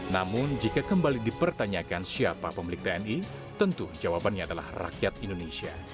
namun jika kembali dipertanyakan siapa pemilik tni tentu jawabannya adalah rakyat indonesia